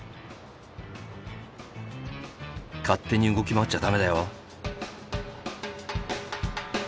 勝手に動き回っちゃダメだよ。